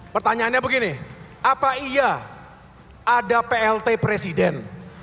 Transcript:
pertanyaannya begini apa iya ada plt presiden